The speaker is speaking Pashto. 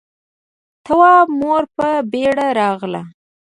تواب مور په بيړه راغله.